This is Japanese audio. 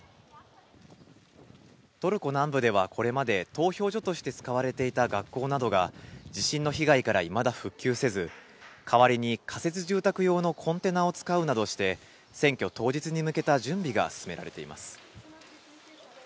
トルコ南部ではこれまで投票所として使われていた学校などが、地震の被害からいまだ復旧せず、代わりに仮設住宅用のコンテナを使うなどして、選挙当日に向けた準備が進められています。